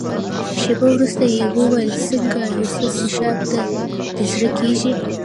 شېبه وروسته يې وویل: څنګه یو څه څیښاک ته دې زړه کېږي؟